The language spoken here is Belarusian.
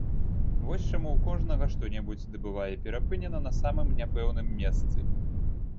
Вось чаму ў кожнага што-небудзь ды бывае перапынена на самым няпэўным месцы.